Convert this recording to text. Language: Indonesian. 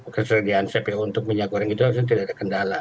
ketersediaan cpo untuk minyak goreng itu harusnya tidak ada kendala